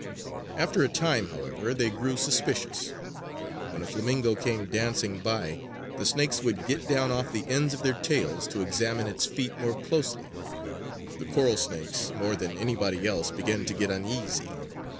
After a time, however, they grew suspicious. When a flamingo came dancing by, the snakes would get down off the ends of their tails to examine its feet more closely. The coral snakes, more than anybody else, began to get uneasy.